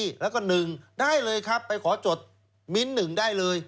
มินทแล้วก็หนึ่งได้เลยครับไปขอจดมิ้นหนึ่งได้เลย